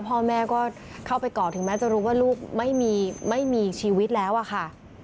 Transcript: พ่อแม่ก็เข้าไปก่อถึงแม้จะรู้ว่าลูกไม่มีชีวิตแล้วอะค่ะ